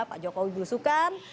pak jokowi berusukan